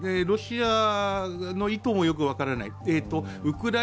ロシアの意図もよく分からない。